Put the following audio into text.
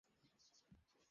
আপাতত সেটা লাগবে না।